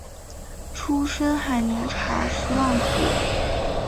出身海宁查氏望族。